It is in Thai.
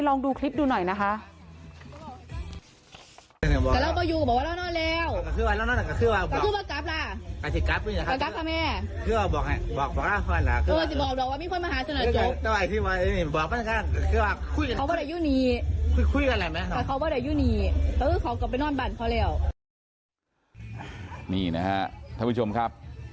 ลองดูคลิปดูหน่อยนะคะ